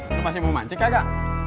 lu masih mau mancing kakak